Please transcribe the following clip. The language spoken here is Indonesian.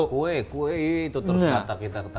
kue kue itu terus data kita ketahui